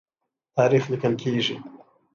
تاریخ لیکل کیږي.